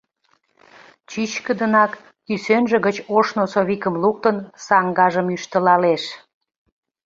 Чӱчкыдынак, кӱсенже гыч ош носовикым луктын, саҥгажым ӱштылалеш.